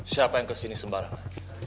siapa yang ke sini sembar ini